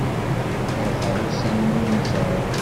Keṛheɣ ussan n unẓar.